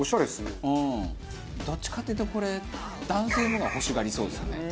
どっちかっていうとこれ男性の方が欲しがりそうですね。